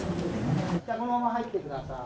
そのまま入ってください